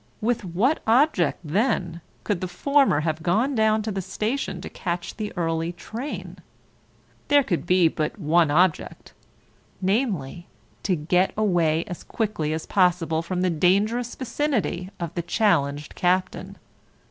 With what object then could the former have gone down to the station to catch the early train? There could be but one object, namely to get away as quickly as possible from the dangerous vicinity of the challenged Captain.